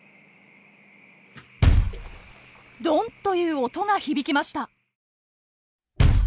ドンという音が響きました。